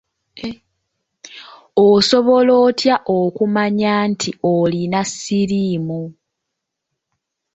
Osobola otya okumanya nti olina siriimu?